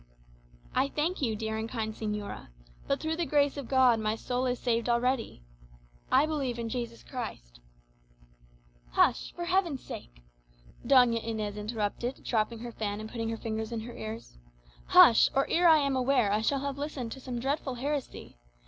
"I thank you, dear and kind señora; but, through the grace of God, my soul is saved already. I believe in Jesus Christ " "Hush! for Heaven's sake!" Doña Inez interrupted, dropping her fan and putting her fingers in her ears. "Hush! or ere I am aware I shall have listened to some dreadful heresy.